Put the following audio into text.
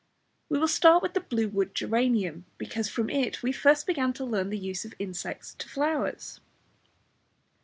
We will start with the blue wood geranium, because from it we first began to learn the use of insects to flowers.